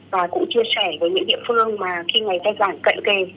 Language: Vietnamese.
và cũng chia sẻ với những địa phương mà khi ngày thai giảng cận kề